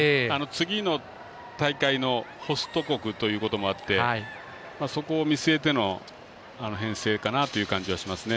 次の大会のホスト国ということもあってそこを見据えての編成かなという感じしますね。